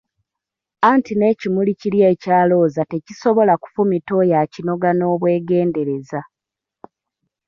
Anti n'ekimuli kiri ekya Looza tekisobola kufumita oyo akinoga n'obwegendereza!